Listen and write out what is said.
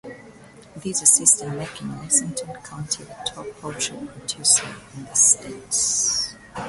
These assist in making Lexington County the top poultry producer in the state.